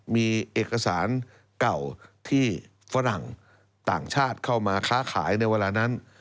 มีเอกสารเก่าที่ฝรั่งต่างชาติเข้ามาค้าขายในเวลานั้น